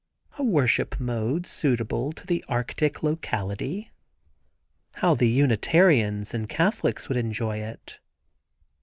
A worship mode suitable to the Arctic locality. How the Unitarians and Catholics would enjoy it.